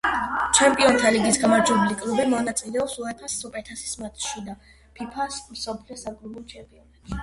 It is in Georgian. ჩემპიონთა ლიგის გამარჯვებული კლუბი მონაწილეობს უეფა-ს სუპერთასის მატჩში და ფიფა-ს მსოფლიო საკლუბო ჩემპიონატში.